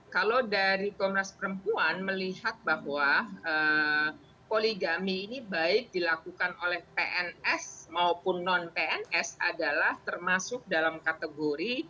kalau dari komnas perempuan melihat bahwa poligami ini baik dilakukan oleh pns maupun non pns adalah termasuk dalam kategori